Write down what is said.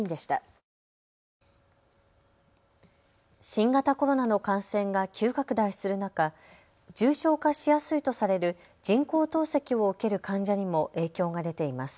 新型コロナの感染が急拡大する中、重症化しやすいとされる人工透析を受ける患者にも影響が出ています。